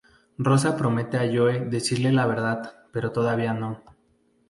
Rosa promete a Joe decirle la verdad, pero todavía no.